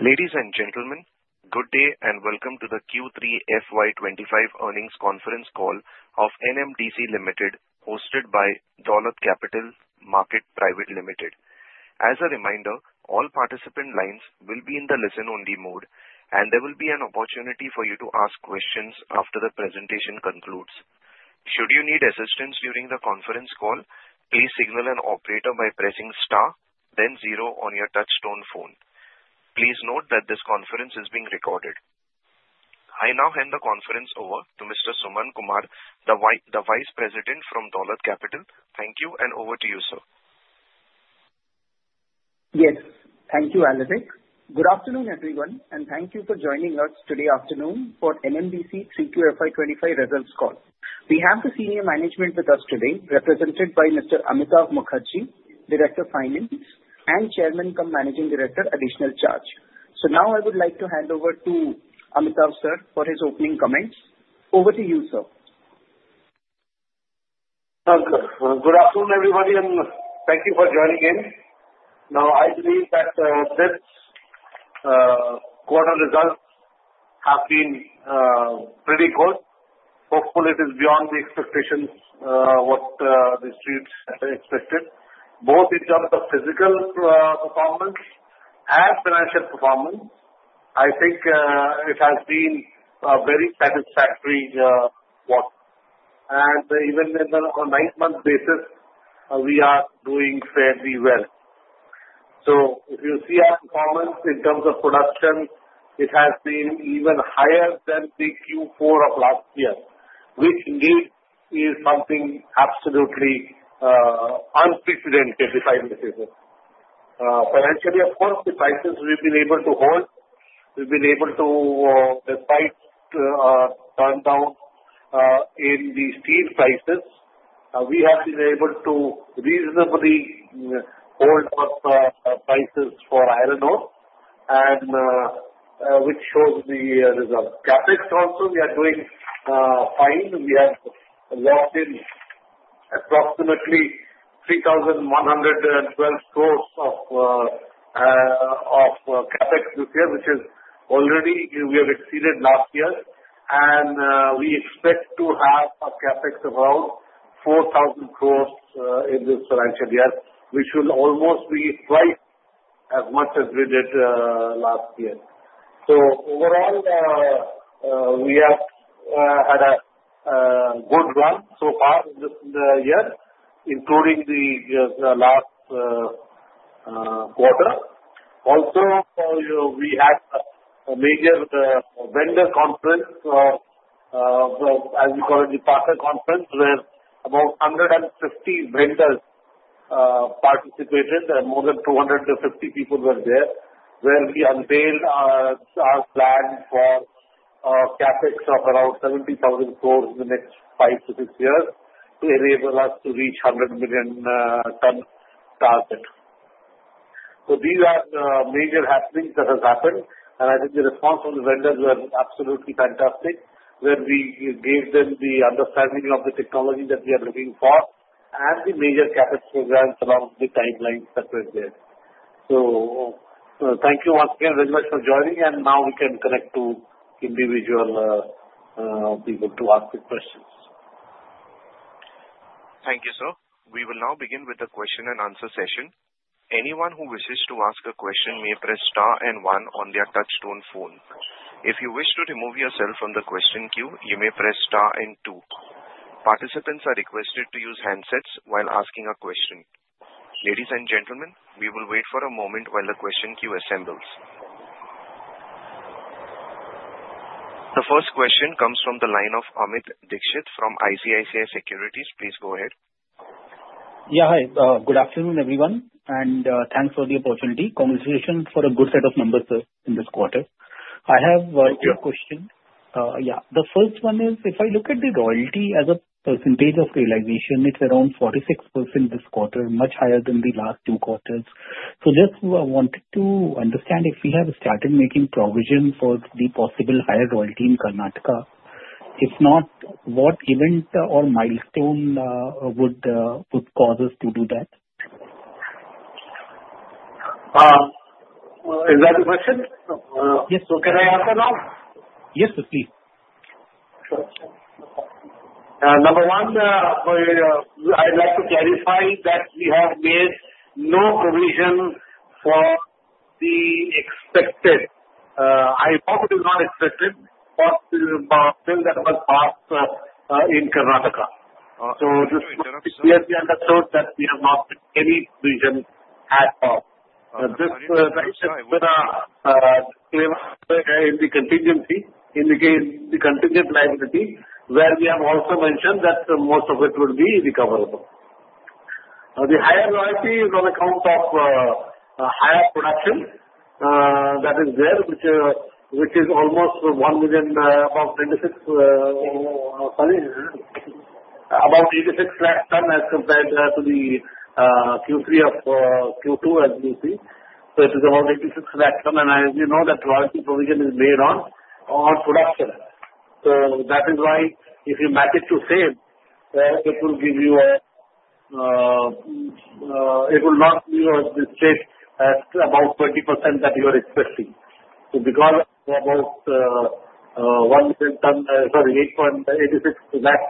Ladies and gentlemen, good day and welcome to the Q3 FY25 earnings conference call of NMDC Limited, hosted by Dolat Capital Market Private Limited. As a reminder, all participant lines will be in the listen-only mode, and there will be an opportunity for you to ask questions after the presentation concludes. Should you need assistance during the conference call, please signal an operator by pressing star, then zero on your touch-tone phone. Please note that this conference is being recorded. I now hand the conference over to Mr. Suman Kumar, the Vice President from Dolat Capital. Thank you, and over to you, sir. Yes, thank you, Alibeque. Good afternoon, everyone, and thank you for joining us today afternoon for NMDC Q3 FY25 results call. We have the senior management with us today, represented by Mr. Amitava Mukherjee, Director of Finance, and Chairman-cum-Managing Director, Additional Charge. So now I would like to hand over to Amitava, sir, for his opening comments. Over to you, sir. Good afternoon, everybody, and thank you for joining in. Now, I believe that this quarter results have been pretty good. Hopefully, it is beyond the expectations, what the streets expected, both in terms of physical performance and financial performance. I think it has been a very satisfactory work. And even on a nine-month basis, we are doing fairly well. So if you see our performance in terms of production, it has been even higher than the Q4 of last year, which indeed is something absolutely unprecedented, if I may say so. Financially, of course, the prices we've been able to hold. We've been able to, despite the downturn in the steel prices, we have been able to reasonably hold our prices for iron ore, which shows the results. CapEx, also, we are doing fine. We have locked in approximately INR 3,112 crores of CapEx this year, which is already we have exceeded last year, and we expect to have a CapEx of around 4,000 crores in this financial year, which will almost be twice as much as we did last year, so overall, we have had a good run so far this year, including the last quarter. Also, we had a major vendor conference, as we call it, the partner conference, where about 150 vendors participated. More than 250 people were there, where we unveiled our plan for CapEx of around 70,000 crores in the next five to six years to enable us to reach 100 million-ton target. So these are major happenings that have happened, and I think the response from the vendors was absolutely fantastic, where we gave them the understanding of the technology that we are looking for and the major CapEx programs along the timelines that were there. So thank you once again very much for joining, and now we can connect to individual people to ask the questions. Thank you, sir. We will now begin with the question-and-answer session. Anyone who wishes to ask a question may press star and one on their touch-tone phone. If you wish to remove yourself from the question queue, you may press star and two. Participants are requested to use handsets while asking a question. Ladies and gentlemen, we will wait for a moment while the question queue assembles. The first question comes from the line of Amit Dixit from ICICI Securities. Please go ahead. Yeah, hi. Good afternoon, everyone, and thanks for the opportunity. Congratulations for a good set of numbers, sir, in this quarter. I have a question. Thank you. Yeah. The first one is, if I look at the royalty as a percentage of realization, it's around 46% this quarter, much higher than the last two quarters. So just wanted to understand if we have started making provision for the possible higher royalty in Karnataka. If not, what event or milestone would cause us to do that? Is that the question? Yes. So can I answer now? Yes, sir, please. Sure. Number one, I'd like to clarify that we have made no provision for the expected, I hope it is not expected, for the bill that was passed in Karnataka. So this year, we understood that we have not made any provision at all. This question is going to be a contingency in the case of the contingent liability, where we have also mentioned that most of it will be recoverable. The higher royalty is on account of higher production that is there, which is almost one million about 86 lakh tons as compared to the Q3 of Q2, as you see. So it is about 86 lakh tons, and as you know, that royalty provision is made on production. So that is why if you match it to sale, it will give you a, it will not be as strict as about 20% that you are expecting. So because of about one million tons, sorry, 86 lakh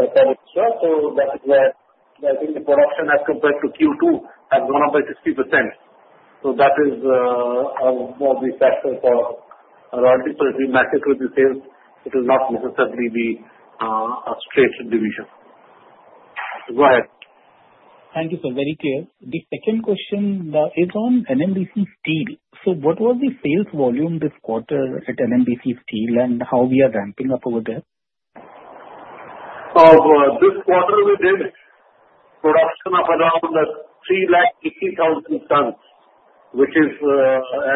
tons, so that is where I think the production has compared to Q2 has gone up by 60%. So that is more of the factor for royalty. So if you match it with the sales, it will not necessarily be a straight division. Go ahead. Thank you, sir. Very clear. The second question is on NMDC Steel. So what was the sales volume this quarter at NMDC Steel, and how we are ramping up over there? Oh, this quarter, we did production of around 380,000 tons, which is,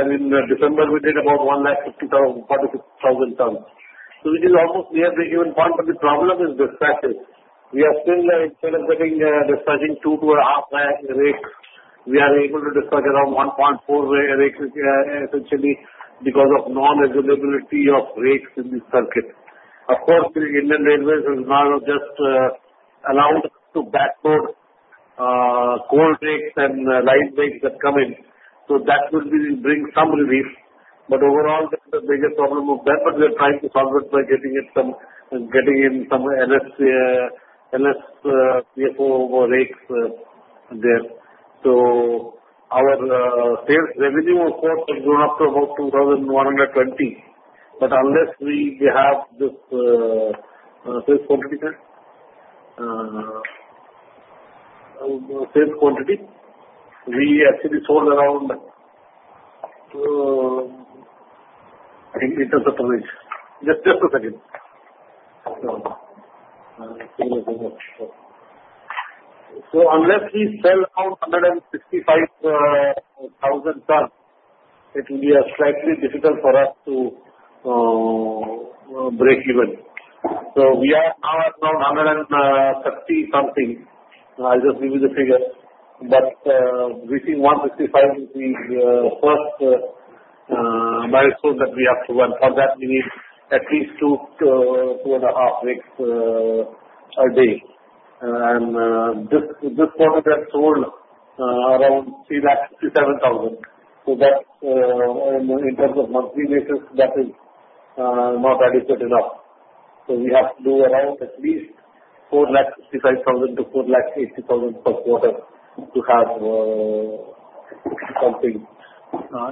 as in December, we did about 150,000, 46,000 tons. So it is almost near breakeven. Part of the problem is dispatches. We are still, instead of getting dispatching two to a half lakh, we are able to dispatch around 1.4 lakh, essentially, because of non-availability of rakes in the circuit. Of course, the Indian Railways has now just allowed us to backload coal rakes and light rakes that come in. So that will bring some relief. But overall, this is the major problem of that, but we are trying to solve it by getting in some LSFTO rakes there. So our sales revenue, of course, has gone up to about 2,120. But unless we have this sales quantity—sales quantity—we actually sold around, I think, in terms of permits. Just a second. So unless we sell around 165,000 tons, it will be slightly difficult for us to break even. So we are now at around 130-something. I'll just give you the figure. But reaching 165 is the first milestone that we have to run. For that, we need at least 2 and a half rakes a day. And this quarter, we have sold around 367,000. So that, in terms of monthly basis, that is not adequate enough. So we have to do around at least 465,000-480,000 per quarter to have something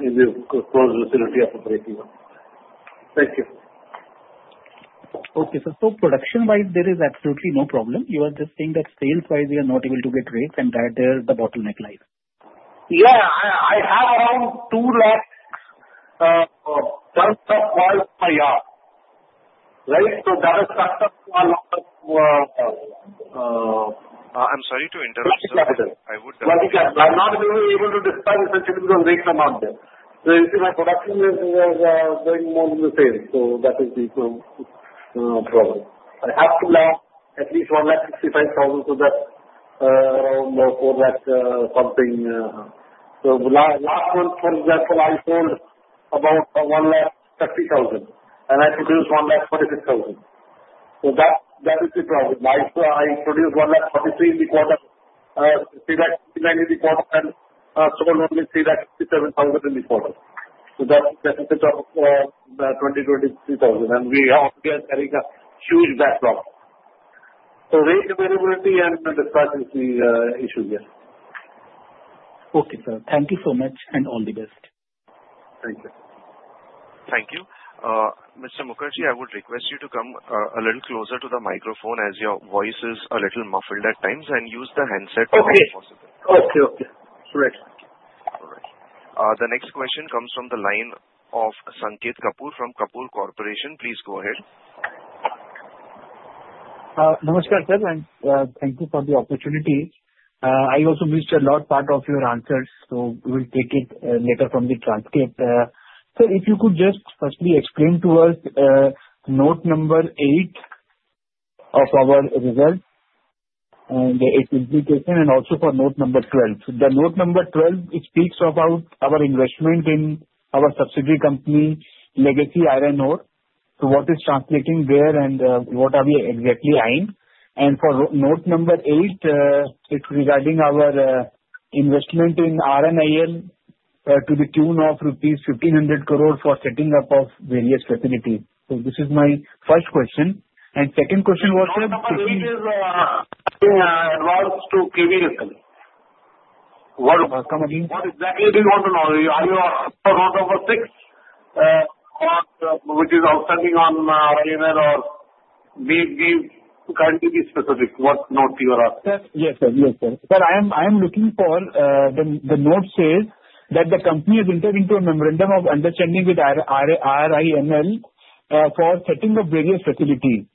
in this closed facility of operating. Thank you. Okay, sir. So production-wise, there is absolutely no problem. You are just saying that sales-wise, we are not able to get rakes, and that there is the bottleneck lies. Yeah. I have around 2 lakh tons of ore per year, right? So that is successful. I'm sorry to interrupt, sir. It's not successful. I'm not able to dispatch, essentially, because rakes are not there. So you see, my production is going more in the sales. So that is the problem. I have to now at least 165,000 for that 4 lakh something. So last month, for example, I sold about 130,000, and I produced 146,000. So that is the problem. I produced 143 in the quarter, 369 in the quarter, and sold only 367,000 in the quarter. So that's the deficit of 2,000. And we are clearly a huge backlog. So rake availability and dispatch is the issue here. Okay, sir. Thank you so much, and all the best. Thank you. Thank you. Mr. Mukherjee, I would request you to come a little closer to the microphone as your voice is a little muffled at times, and use the handset whenever possible. Okay. Okay. Great. All right. The next question comes from the line of Sanket Kapoor from Kapoor Corporation. Please go ahead. Namaskar, sir. And thank you for the opportunity. I also missed a lot part of your answers, so we will take it later from the transcript. Sir, if you could just firstly explain to us note number 8 of our results and its implication, and also for note number 12. The note number 12, it speaks about our investment in our subsidiary company, Legacy Iron Ore. So what is translating there, and what are we exactly eyeing? And for note number 8, it's regarding our investment in RINL to the tune of rupees 1,500 crore for setting up of various facilities. So this is my first question. And second question was, sir. What does RINL mean? I want to be advanced to KVSL. What? Welcome, again. What exactly do you want to know? Are you asking about the receivables over 6, which is outstanding on RINL, or please kindly be specific what you are asking? Yes, sir. Yes, sir. Sir, I am looking for the note says that the company has entered into a memorandum of understanding with RINL for setting up various facilities.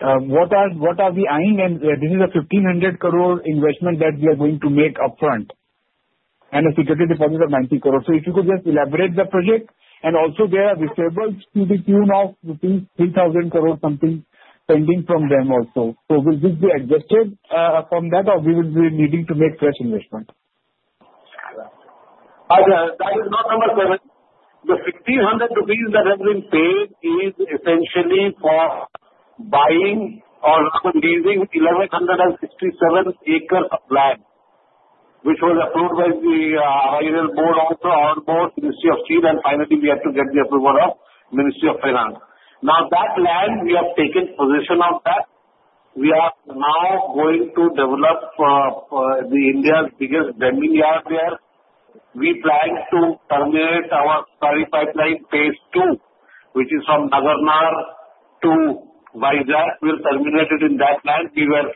What are we eyeing? And this is a 1,500 crore investment that we are going to make upfront and a security deposit of 90 crore. So if you could just elaborate the project. And also, there are dues to the tune of 3,000 crore something pending from them also. So will this be adjusted from that, or will we be needing to make fresh investment? That is note number 7. The 1,500 rupees that has been paid is essentially for buying or leasing 1,167 acres of land, which was approved by the RINL board, also our board, Ministry of Steel, and finally, we had to get the approval of Ministry of Finance. Now, that land, we have taken position on that. We are now going to develop India's biggest blending yard there. We plan to terminate our slurry pipeline phase 2, which is from Nagarnar to Vizag. We'll terminate it in that land. We were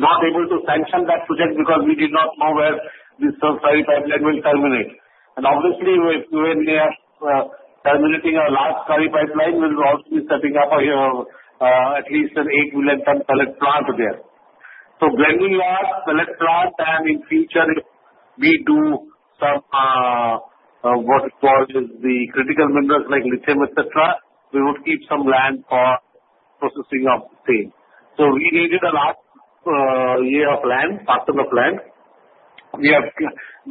not able to sanction that project because we did not know where this slurry pipeline will terminate. And obviously, when we are terminating our last slurry pipeline, we will also be setting up at least an 8 million-ton pellet plant there. Blending yard, pellet plant, and in future, if we do some what is called the critical minerals like lithium, etc., we would keep some land for processing of sale. We needed a lot of land, parts of the land. We have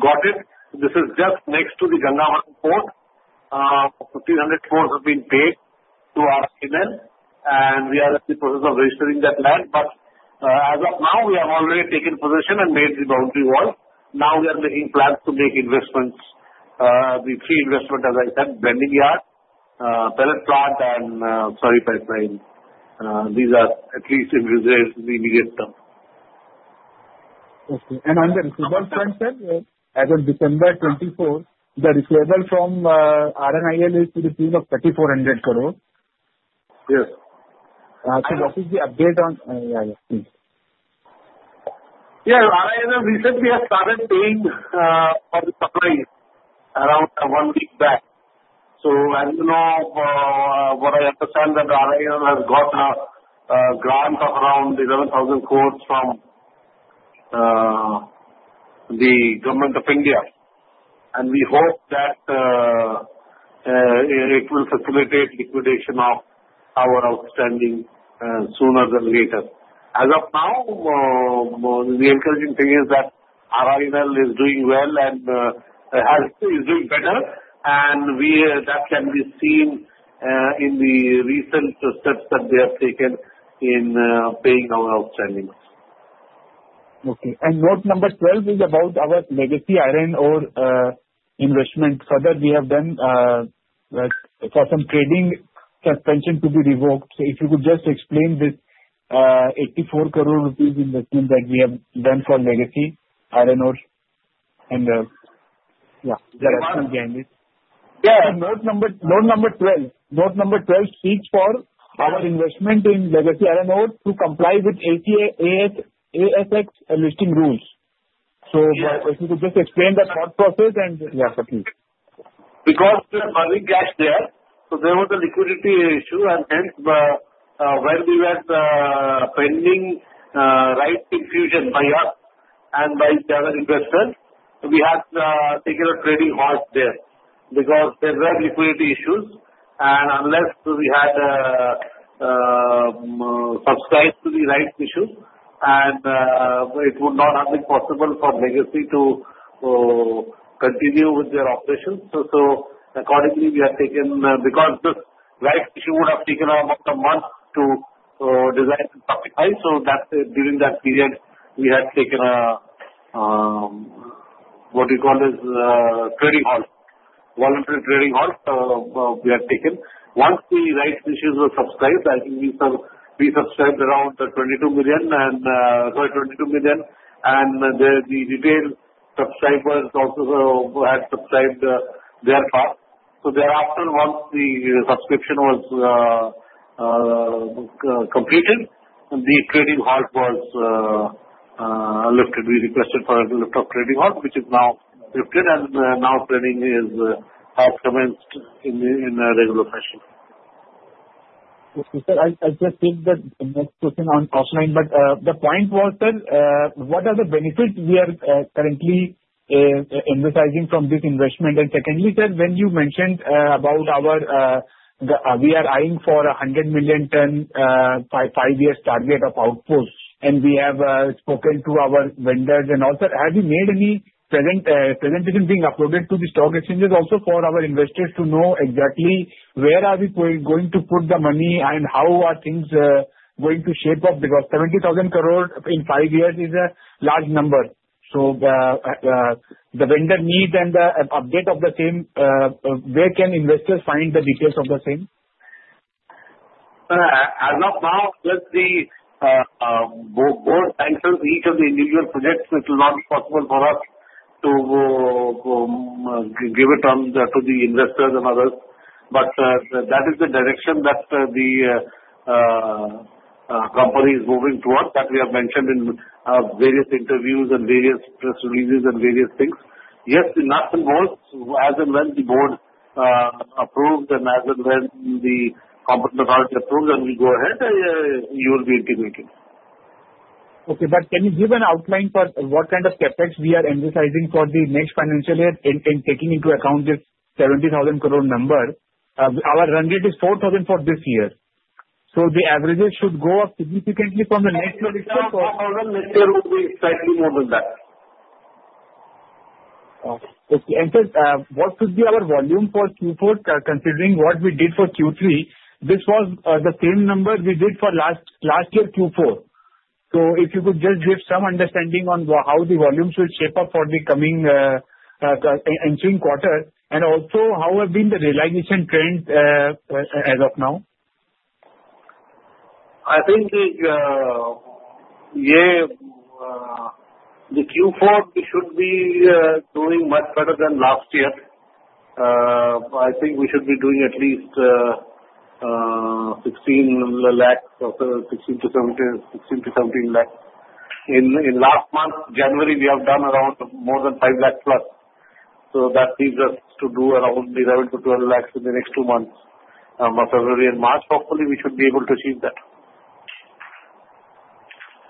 got it. This is just next to the Gangavaram Port. 1,500 crores have been paid to RINL, and we are in the process of registering that land. But as of now, we have already taken position and made the boundary wall. Now, we are making plans to make investments. The three investments, as I said, blending yard, pellet plant, and slurry pipeline. These are at least in reserves in the immediate term. Okay. On the dues front, sir, as of December 24, the dues from RINL is to the tune of 3,400 crore. Yes. What is the update on? Yeah. RINL recently has started paying for the supply around one week back. So as you know, what I understand, RINL has got a grant of around 11,000 crores from the Government of India. And we hope that it will facilitate liquidation of our outstanding sooner than later. As of now, the encouraging thing is that RINL is doing well and is doing better, and that can be seen in the recent steps that they have taken in paying our outstandings. Okay. And note number 12 is about our Legacy Iron Ore investment. So that we have done for some trading halt to be revoked. So if you could just explain this 84 crore rupees investment that we have done for Legacy Iron Ore and the rest of the industry. Yeah. So note number 12, note number 12 speaks for our investment in Legacy Iron Ore to comply with ASX listing rules. So if you could just explain the thought process and. Yeah. Because there's money cash there, so there was a liquidity issue. Hence, when we were pending rights issue by us and by the other investors, we had taken a trading halt there because there were liquidity issues. Unless we had subscribed to the rights issues, it would not have been possible for Legacy to continue with their operations. Accordingly, we have taken because the rights issue would have taken about a month to list the stock. During that period, we had taken what we call as trading halt, voluntary trading halt we had taken. Once the rights issues were subscribed, I think we subscribed around 22 million, and sorry, 22 million. The retail subscribers also had subscribed their part. Thereafter, once the subscription was completed, the trading halt was lifted. We requested for a lift of trading halt, which is now lifted, and now trading has commenced in a regular fashion. Okay, sir. I just think that the next question on offline. But the point was, sir, what are the benefits we are currently emphasizing from this investment? And secondly, sir, when you mentioned about our we are eyeing for a 100 million-ton five-year target of output, and we have spoken to our vendors and all, sir, have you made any presentation being uploaded to the stock exchanges also for our investors to know exactly where are we going to put the money and how are things going to shape up? Because 70,000 crore in five years is a large number. So the vendor need and the update of the same, where can investors find the details of the same? As of now, just the board sanctions each of the individual projects, so it will not be possible for us to give it to the investors and others. But that is the direction that the company is moving towards that we have mentioned in various interviews and various press releases and various things. Yes, in nuts and bolts, as and when the board approves and as and when the competent authority approves, then we go ahead. You will be intimated. Okay. But can you give an outline for what kind of effects we are emphasizing for the next financial year in taking into account this 70,000 crore number? Our run rate is 4,000 for this year. So the averages should go up significantly from the next year this year. 4,000 next year will be slightly more than that. Okay. And sir, what should be our volume for Q4 considering what we did for Q3? This was the same number we did for last year, Q4. So if you could just give some understanding on how the volume should shape up for the coming entering quarter, and also how have been the realization trends as of now? I think the Q4 should be doing much better than last year. I think we should be doing at least 16 lakhs or 16 to 17 lakhs. In last month, January, we have done around more than 5 lakhs plus. So that leaves us to do around 11 to 12 lakhs in the next two months, February, and March. Hopefully, we should be able to achieve that.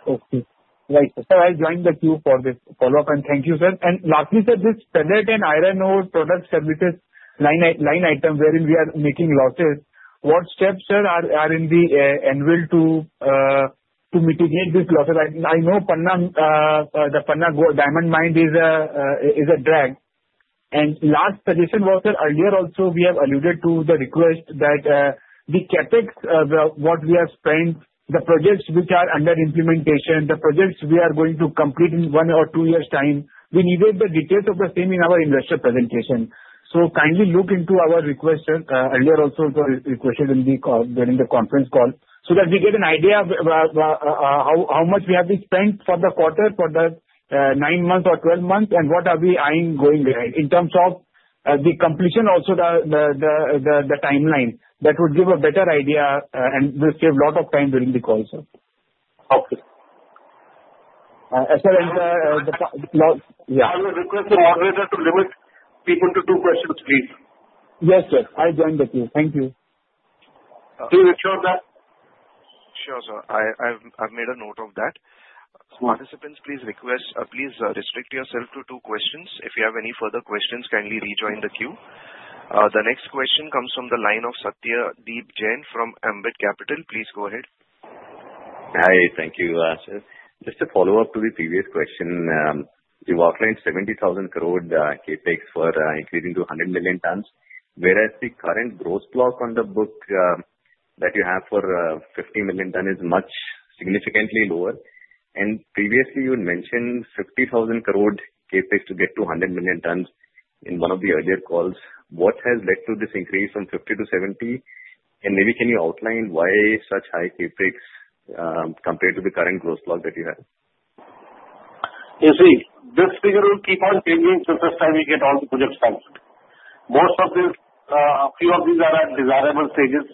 Okay. Right. I'll join the queue for this follow-up, and thank you, sir. And lastly, sir, this pellet and iron ore product services line item wherein we are making losses, what steps, sir, are in the NMDC to mitigate this loss? I know the Panna Diamond Mine is a drag. And last suggestion was, sir, earlier also we have alluded to the request that the CapEx, what we have spent, the projects which are under implementation, the projects we are going to complete in one or two years' time, we needed the details of the same in our investor presentation. So kindly look into our request, sir. Earlier also requested during the conference call, so that we get an idea of how much we have been spent for the quarter, for the nine months or 12 months, and what are we eyeing going ahead in terms of the completion, also the timeline. That would give a better idea and will save a lot of time during the call, sir. Okay. And sir, I will request the moderator to limit people to two questions, please. Yes, sir. I'll join the queue. Thank you. Please ensure that. Sure, sir. I've made a note of that. Participants, please restrict yourself to two questions. If you have any further questions, kindly rejoin the queue. The next question comes from the line of Satyadeep Jain from Ambit Capital. Please go ahead. Hi. Thank you, sir. Just to follow up to the previous question, you've outlined 70,000 crore CapEx for increasing to 100 million tons, whereas the current gross block on the book that you have for 50 million ton is much significantly lower. And previously, you had mentioned 50,000 crore CapEx to get to 100 million tons in one of the earlier calls. What has led to this increase from 50 to 70? And maybe can you outline why such high CapEx compared to the current gross block that you have? You see, this figure will keep on changing the first time we get all the projects funded. Most of these, a few of these, are at desirable stages.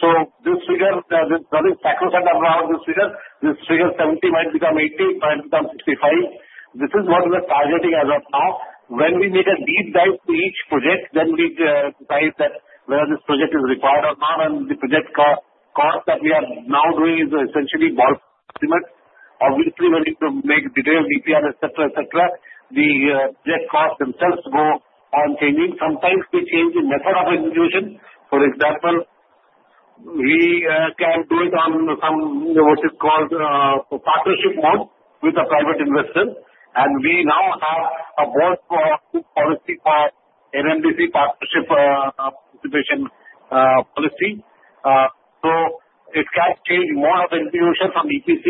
So this figure, there is nothing sacrosanct about this figure. This figure, 70, might become 80, it might become 65. This is what we are targeting as of now. When we make a deep dive to each project, then we decide whether this project is required or not. And the project cost that we are now doing is essentially bulk estimates. Obviously, when you make detailed EPC, etc., etc., the project costs themselves go on changing. Sometimes we change the method of execution. For example, we can do it on some what is called partnership mode with a private investor. And we now have a board policy for NMDC partnership participation policy. So it can change more of the execution from EPC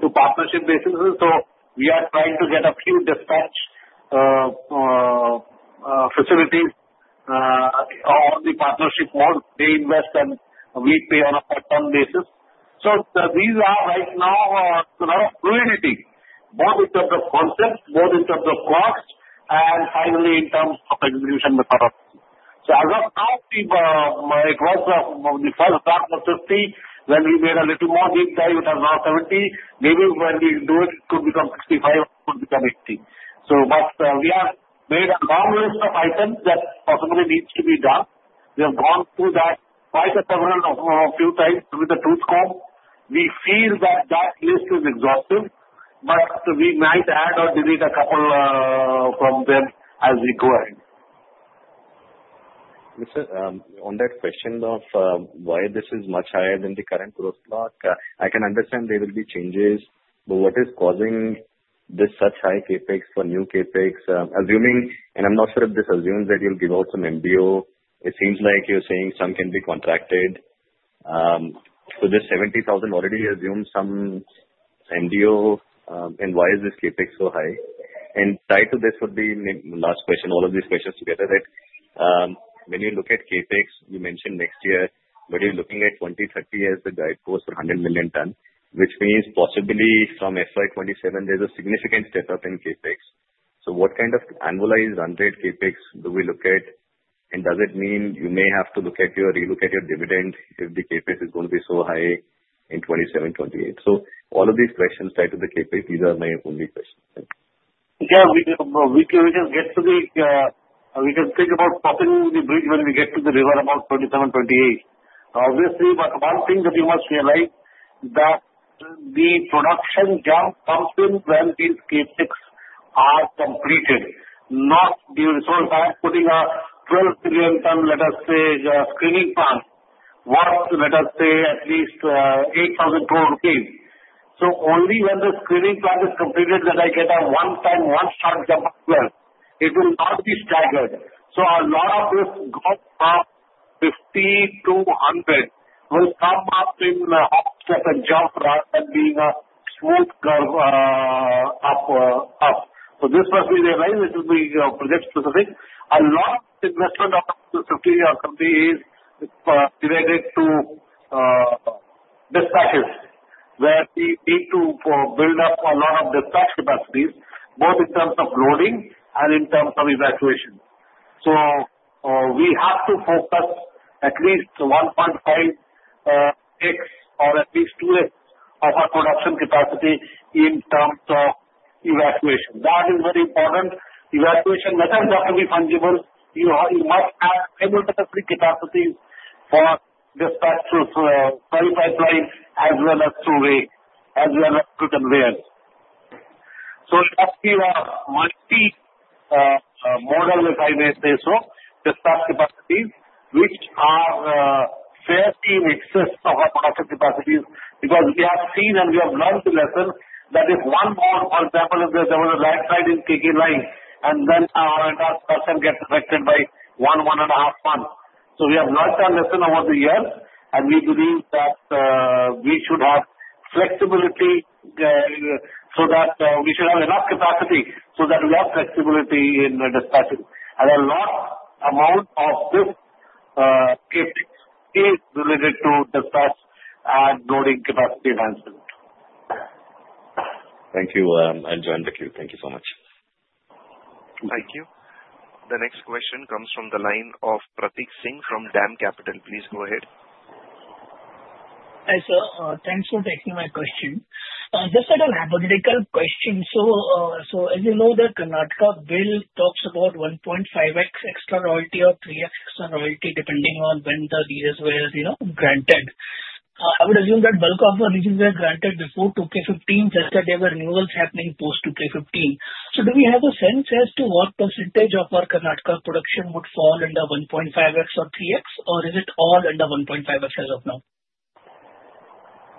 to partnership basis. So we are trying to get a few dispatch facilities on the partnership mode. They invest, and we pay on a part-time basis. So these are right now a lot of fluidity, both in terms of concept, both in terms of cost, and finally, in terms of execution methodology. So as of now, it was the first block was 50. When we made a little more deep dive, it was now 70. Maybe when we do it, it could become 65 or it could become 80. So but we have made a long list of items that possibly needs to be done. We have gone through that quite a few times with a fine-tooth comb. We feel that that list is exhaustive, but we might add or delete a couple from them as we go ahead. Sir, on that question of why this is much higher than the current gross block, I can understand there will be changes. But what is causing this such high CapEx for new CapEx? Assuming, and I'm not sure if this assumes that you'll give out some MDO. It seems like you're saying some can be contracted. So this 70,000 already assumes some MDO. And why is this CapEx so high? And tied to this would be last question, all of these questions together, that when you look at CapEx, you mentioned next year, but you're looking at 2030 as the guidepost for 100 million ton, which means possibly from FY27, there's a significant step up in CapEx. So what kind of annualized run rate CapEx do we look at? Does it mean you may have to look at your dividend if the CapEx is going to be so high in 27, 28? All of these questions tied to the CapEx. These are my only questions. Yeah. We can think about crossing the bridge when we come to it about 27, 28. Obviously, but one thing that you must realize is that the production jump comes in when these CapEx are completed. Not the result. I'm putting a 12-million-ton, let us say, screening plant worth, let us say, at least 8,000 crore rupees. So only when the screening plant is completed that I get a one-time, one-shot jump as well. It will not be staggered. So a lot of this goes up 50 to 100 will come up in a hop step and jump rather than being a smooth curve up. So this must be realized. It will be project-specific. A lot of investment of the 50-year company is related to dispatches, where we need to build up a lot of dispatch capacities, both in terms of loading and in terms of evacuation. So we have to focus at least 1.5x or at least 2x of our production capacity in terms of evacuation. That is very important. Evacuation methods have to be fungible. You must have multiple capacities for dispatch through slurry pipeline as well as through rail as well as through conveyors. So it has to be a multi-modal, if I may say so, dispatch capacities, which are fairly in excess of our production capacities because we have seen and we have learned the lesson that if one boat, for example, if there was a landslide in KK Line, and then our entire structure gets affected by one, one and a half months. So we have learned our lesson over the years, and we believe that we should have flexibility so that we should have enough capacity so that we have flexibility in dispatching. And a large amount of this CapEx is related to dispatch and loading capacity management. Thank you. I'll join the queue. Thank you so much. Thank you. The next question comes from the line of Prateek Singh from DAM Capital. Please go ahead. Hi, sir. Thanks for taking my question. Just a hypothetical question. So as you know, the Karnataka bill talks about 1.5x extra royalty or 3x extra royalty depending on when the leases were granted. I would assume that bulk of the leases were granted before 2015, just that there were renewals happening post 2015. So do we have a sense as to what percentage of our Karnataka production would fall under 1.5x or 3x, or is it all under 1.5x as of now?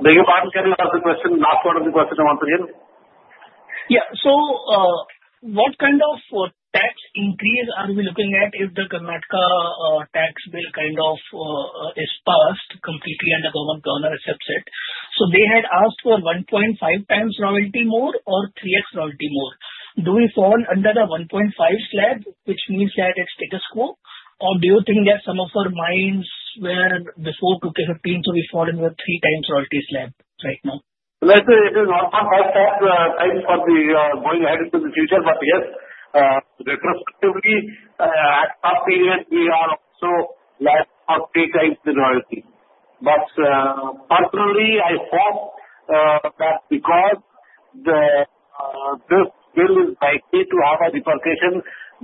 Do you want to get another question? Last part of the question, I want to hear. Yeah. So what kind of tax increase are we looking at if the Karnataka tax bill kind of is passed completely and the government accepts it? So they had asked for 1.5 times royalty more or 3x royalty more. Do we fall under the 1.5 slab, which means that it's status quo? Or do you think that some of our mines were before 2K15, so we fall under the 3x royalty slab right now? Let's say it is not a half-half time for going ahead into the future, but yes, retrospectively, at some period, we are also less than three times the royalty. But personally, I hope that because this bill is likely to have a repercussion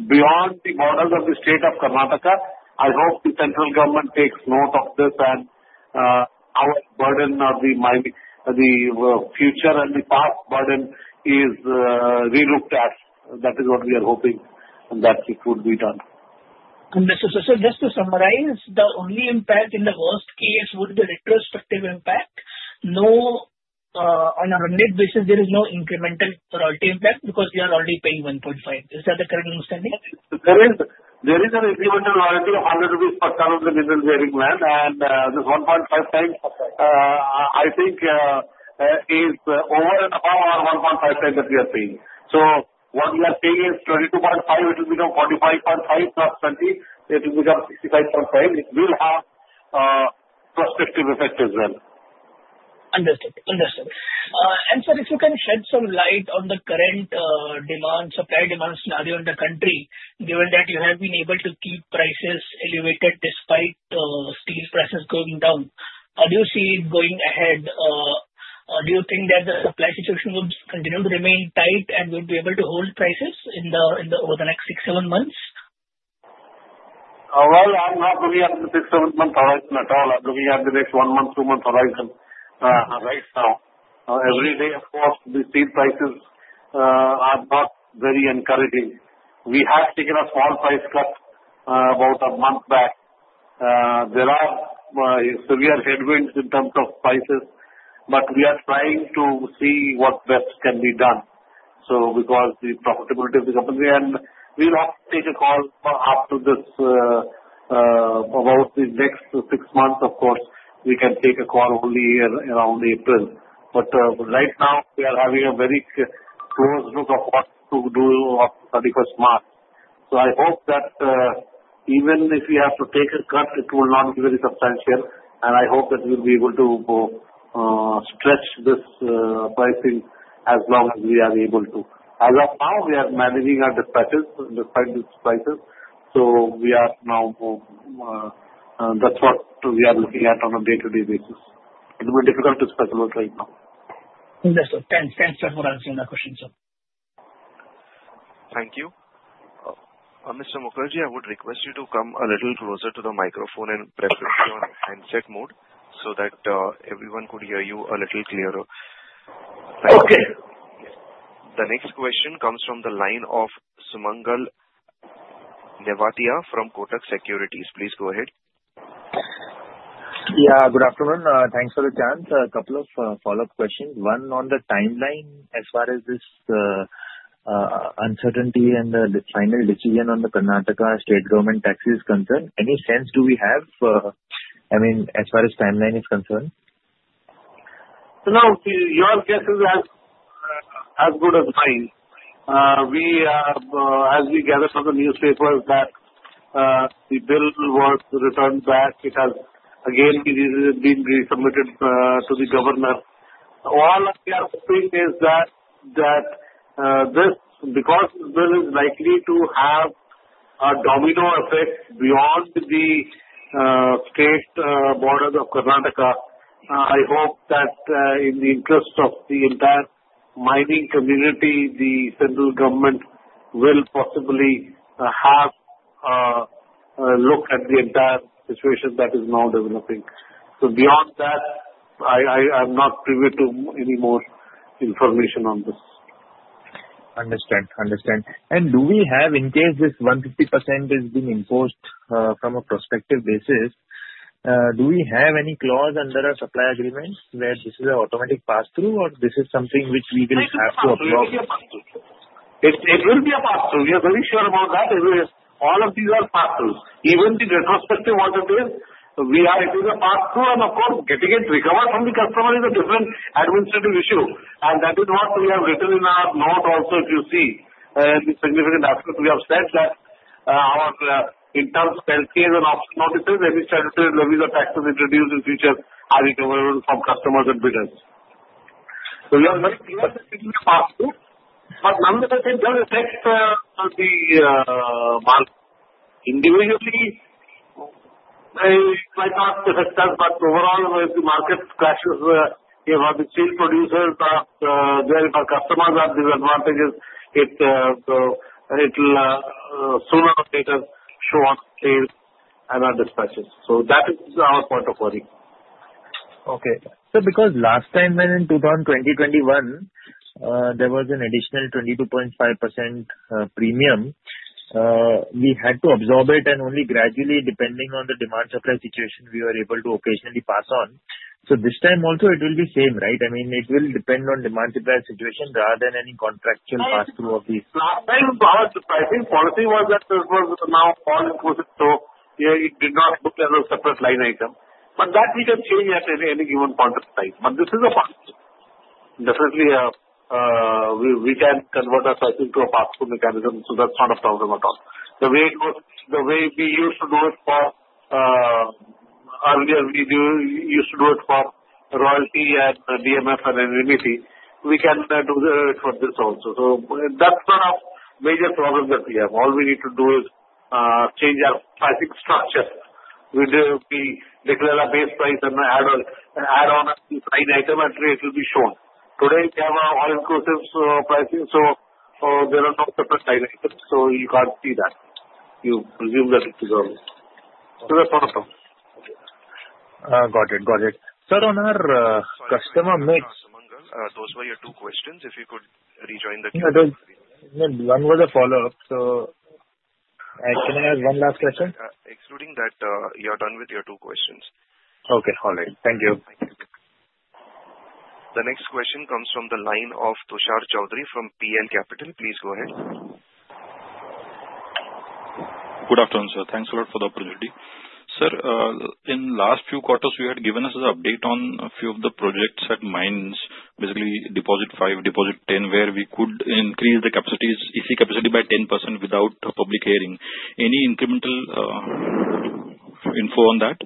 beyond the borders of the state of Karnataka, I hope the central government takes note of this and our burden of the future and the past burden is relooked at. That is what we are hoping that it would be done. Sir, just to summarize, the only impact in the worst case would be the retrospective impact. On a run rate basis, there is no incremental royalty impact because we are already paying 1.5. Is that the current understanding? There is an incremental royalty of 100 rupees per ton of the minerals we are ignoring, and this 1.5 times, I think, is over and above our 1.5 times that we are paying. So what we are paying is 22.5. It will become 45.5 plus 20. It will become 65.5. It will have a prospective effect as well. Understood. Understood. And sir, if you can shed some light on the current demand, supply demand scenario in the country, given that you have been able to keep prices elevated despite steel prices going down, how do you see it going ahead? Do you think that the supply situation will continue to remain tight and will be able to hold prices over the next six, seven months? Well, I'm not looking at the six, seven month horizon at all. I'm looking at the next one month, two month horizon right now. Every day, of course, the steel prices are not very encouraging. We have taken a small price cut about a month back. There are severe headwinds in terms of prices, but we are trying to see what best can be done because the profitability of the company. And we'll have to take a call after this about the next six months, of course. We can take a call only around April. But right now, we are having a very close look of what to do after 31st March. So I hope that even if we have to take a cut, it will not be very substantial. And I hope that we'll be able to stretch this pricing as long as we are able to. As of now, we are managing our dispatches, dispatch prices. So we are now, that's what we are looking at on a day-to-day basis. It will be difficult to speculate right now. Understood. Thanks for answering that question, sir. Thank you. Mr. Mukherjee, I would request you to come a little closer to the microphone and press on handset mode so that everyone could hear you a little clearer. Okay. The next question comes from the line of Sumangal Nevatia from Kotak Securities. Please go ahead. Yeah. Good afternoon. Thanks for the chance. A couple of follow-up questions. One on the timeline as far as this uncertainty and the final decision on the Karnataka state government tax is concerned. Any sense do we have, I mean, as far as timeline is concerned? No, your guess is as good as mine. As we gather from the newspapers that the bill was returned back, it has, again, been resubmitted to the governor. All we are hoping is that this, because this bill is likely to have a domino effect beyond the state borders of Karnataka, I hope that in the interest of the entire mining community, the central government will possibly have a look at the entire situation that is now developing, so beyond that, I'm not privy to any more information on this. Understood. Understood. And do we have, in case this 150% is being imposed from a prospective basis, do we have any clause under our supply agreement where this is an automatic pass-through, or this is something which we will have to approach? It will be a pass-through. It will be a pass-through. We are very sure about that. All of these are pass-throughs. Even the retrospective audit, we are able to pass-through, and of course, getting it recovered from the customer is a different administrative issue. And that is what we have written in our note also, if you see, the significant aspect. We have said that our interim steel case and auction notices, any strategic levies or taxes introduced in future are recoverable from customers and bidders. So we are very clear that this is a pass-through. But none of the things will affect the market. Individually, it might not affect us, but overall, if the market crashes about the steel producers, there are customers at disadvantages. So it will sooner or later show up in our dispatches. So that is our point of worry. Okay. Sir, because last time when in 2020-21, there was an additional 22.5% premium, we had to absorb it and only gradually, depending on the demand supply situation, we were able to occasionally pass on. So this time also, it will be same, right? I mean, it will depend on demand supply situation rather than any contractual pass-through of these. Last time, our pricing policy was that this was now all-inclusive, so it did not look as a separate line item, but that we can change at any given point of time, but this is a pass-through. Definitely, we can convert our pricing to a pass-through mechanism, so that's not a problem at all. The way we used to do it for earlier, we used to do it for royalty and DMF and NMET. We can do it for this also, so that's not a major problem that we have. All we need to do is change our pricing structure. We declare a base price and add on a line item, and it will be shown. Today, we have an all-inclusive pricing, so there are no separate line items, so you can't see that. You presume that it is all, so that's one of them. Got it. Got it. Sir, on our customer mix. Those were your two questions. If you could rejoin the queue. No, no. One was a follow-up. So can I ask one last question? Excluding that, you are done with your two questions. Okay. All right. Thank you. The next question comes from the line of Tushar Chaudhari from Prabhudas Lilladher. Please go ahead. Good afternoon, sir. Thanks a lot for the opportunity. Sir, in the last few quarters, you had given us an update on a few of the projects at mines, basically Deposit 5, Deposit 10, where we could increase the EC capacity by 10% without public hearing. Any incremental info on that?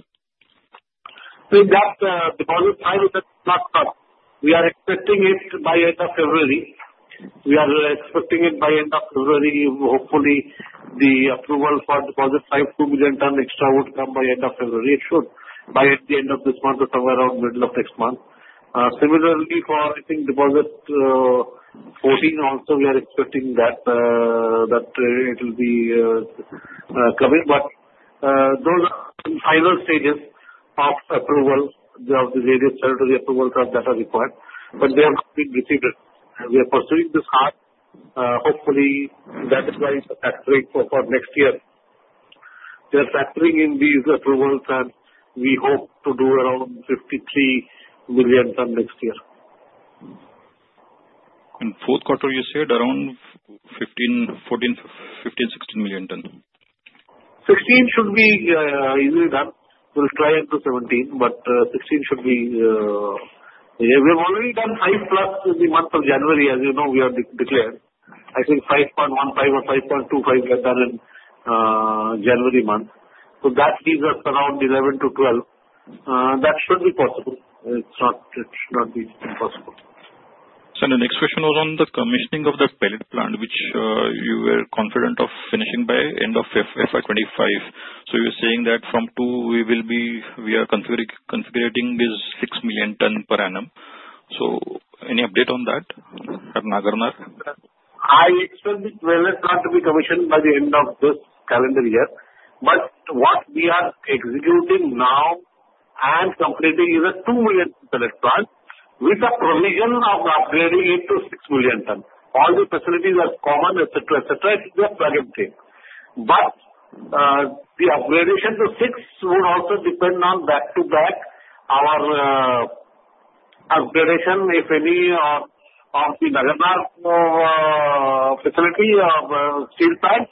We got Deposit 5. It has not come. We are expecting it by end of February. Hopefully, the approval for Deposit 5, 2 million tons extra would come by end of February. It should be at the end of this month or somewhere around middle of next month. Similarly, for I think Deposit 14 also, we are expecting that it will be coming. But those are final stages of approval of the various statutory approvals that are required, but they have not been received. We are pursuing this hard. Hopefully, that is why it's a factoring for next year. We are factoring in these approvals, and we hope to do around 53 million tons next year. In fourth quarter, you said around 15, 14, 15, 16 million ton. 16 should be easily done. We'll try it to 17, but 16 should be we have already done five plus in the month of January, as you know, we are declared. I think 5.15 or 5.25 were done in January month. So that leaves us around 11 to 12. That should be possible. It should not be impossible. Sir, the next question was on the commissioning of the pellet plant, which you were confident of finishing by end of FY25. So you're saying that from two, we are configuring this six million tons per annum. So any update on that at Nagarnar? I expect the 12th not to be commissioned by the end of this calendar year. But what we are executing now and completing is a 2 million tons pellet plant with a provision of upgrading it to 6 million tons. All the facilities are common, etc., etc. It's just plug and play. But the upgrade to 6 would also depend on back-to-back our upgrade, if any, of the Nagarnar facility of steel plant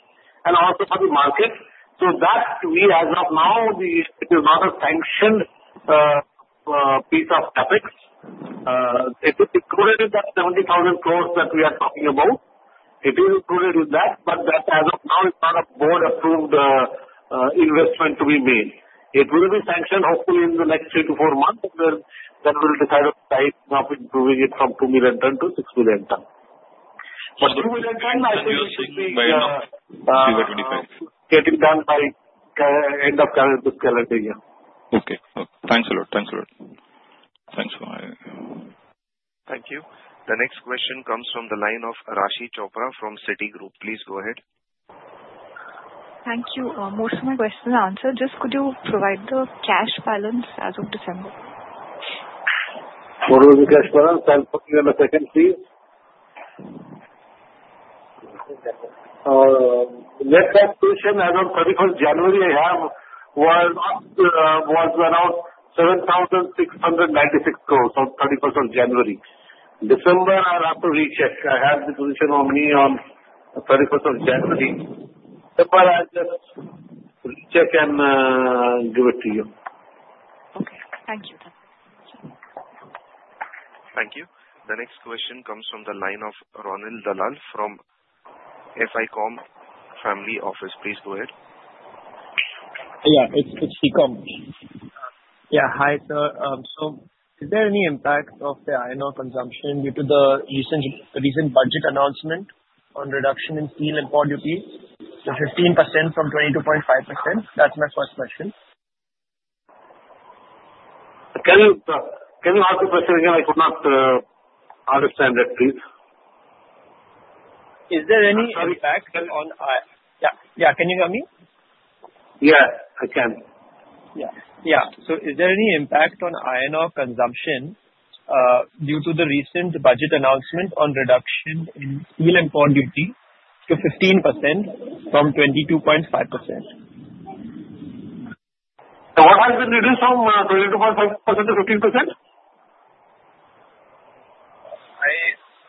and also for the market. So that, as of now, it is not a sanctioned piece of CapEx. It is included in that 70,000 crores that we are talking about. It is included in that, but that, as of now, is not a board-approved investment to be made. It will be sanctioned, hopefully, in the next three to four months, then we'll decide on the size of improving it from 2 million tons to 6 million tons. But 2 million ton, I think, should be getting done by end of calendar year. Okay. Thanks a lot. Thanks a lot. Thanks for my— Thank you. The next question comes from the line of Rashi Chopra from Citigroup. Please go ahead. Thank you. Most of my questions answered. Just could you provide the cash balance as of December? What was the cash balance? Can you give me a second, please? Net cash position as of 31st January, it was around 7,696 crores on 31st of January. December, I'll have to recheck. I have the position only on 31st of January. December, I'll just recheck and give it to you. Okay. Thank you. Thank you. The next question comes from the line of Ronil Dalal from Ficom Family Office. Please go ahead. Yeah. It's Ficom. Yeah. Hi, sir. So is there any impact of the iron consumption due to the recent budget announcement on reduction in steel import duties, the 15% from 22.5%? That's my first question. Can you ask the question again? I could not understand that, please. Is there any impact on? Yeah. Yeah. Can you hear me? Yeah. I can. Yeah. Yeah. So is there any impact on iron consumption due to the recent budget announcement on reduction in steel import duty to 15% from 22.5%? What has been reduced from 22.5% to 15%?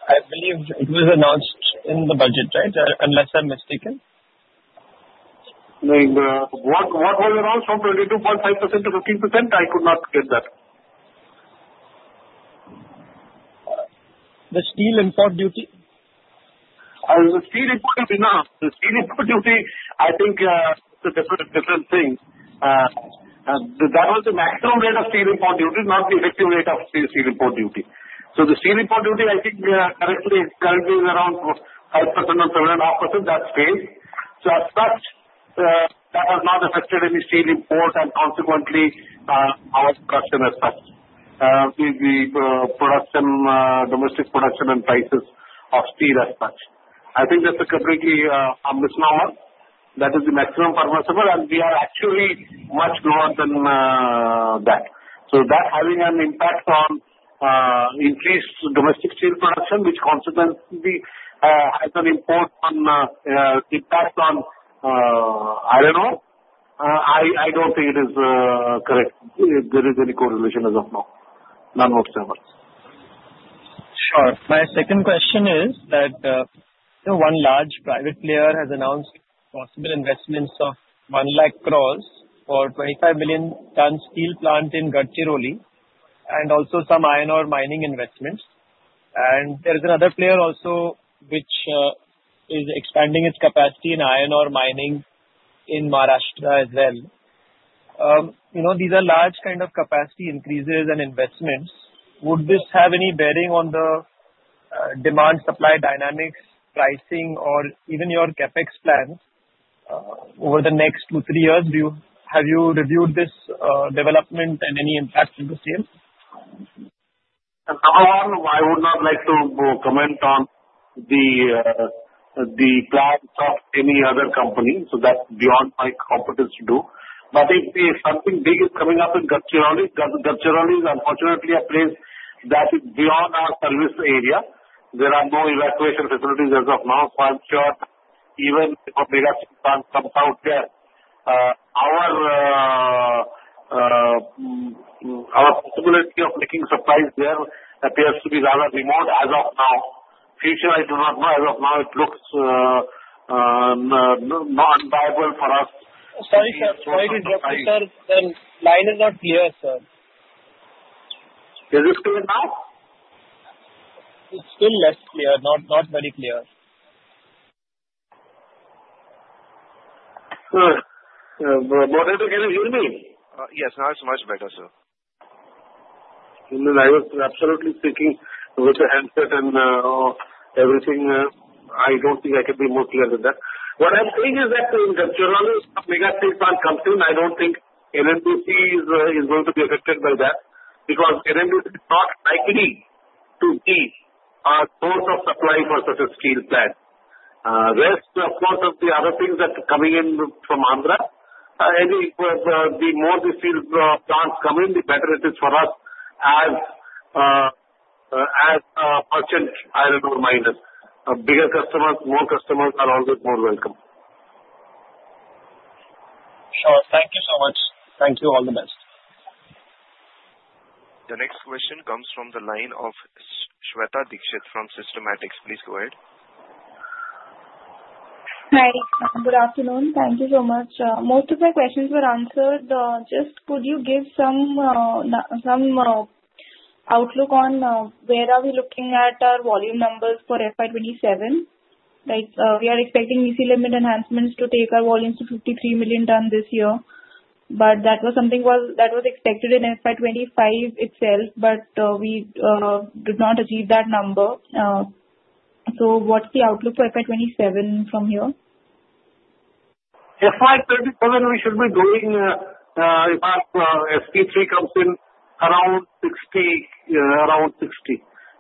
I believe it was announced in the budget, right? Unless I'm mistaken. What was announced from 22.5% to 15%? I could not get that. The steel import duty? The steel import duty, no. The steel import duty, I think it's a different thing. That was the maximum rate of steel import duty, not the effective rate of steel import duty. So the steel import duty, I think, currently is around 5% or 7.5%. That's fair. So as such, that has not affected any steel import and consequently our production as such, the domestic production and prices of steel as such. I think that's a completely misnomer. That is the maximum permissible, and we are actually much lower than that. So that having an impact on increased domestic steel production, which consequently has an impact on, I don't know, I don't think it is correct if there is any correlation as of now. None whatsoever. Sure. My second question is that one large private player has announced possible investments of 1 lakh crores for 25 million ton steel plant in Gadchiroli and also some iron mining investments. And there is another player also which is expanding its capacity in iron mining in Maharashtra as well. These are large kind of capacity increases and investments. Would this have any bearing on the demand-supply dynamics, pricing, or even your CapEx plan over the next two, three years? Have you reviewed this development and any impact on the sales? I would not like to comment on the plans of any other company, so that's beyond my competence to do. But if something big is coming up in Gadchiroli, Gadchiroli is unfortunately a place that is beyond our service area. There are no evacuation facilities as of now, so I'm sure even if a mega steel plant comes out there, our possibility of making supplies there appears to be rather remote as of now. Future, I do not know. As of now, it looks unviable for us. Sorry, sir. Sorry to interrupt you, sir. The line is not clear, sir. Is it clear now? It's still less clear. Not very clear. Moderator, can you hear me? Yes. Now it's much better, sir. I was absolutely speaking with the handset and everything. I don't think I can be more clear than that. What I'm saying is that in Gadchiroli, if a mega steel plant comes in, I don't think NMDC is going to be affected by that because NMDC is not likely to be a source of supply for such a steel plant. Rest, of course, of the other things that are coming in from Andhra, the more the steel plants come in, the better it is for us as a merchant, I don't know, miner. Bigger customers, more customers are always more welcome. Sure. Thank you so much. Thank you. All the best. The next question comes from the line of Shweta Dixit from Systematix. Please go ahead. Hi. Good afternoon. Thank you so much. Most of my questions were answered. Just could you give some outlook on where are we looking at our volume numbers for FY27? We are expecting EC limit enhancements to take our volumes to 53 million ton this year, but that was something that was expected in FY25 itself, but we did not achieve that number. So what's the outlook for FY27 from here? FY27, we should be doing, if SP3 comes in around 60.